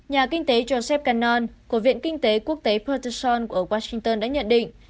nhà kinh tế joseph cannon của viện kinh tế quốc tế protestant của washington đã nhận định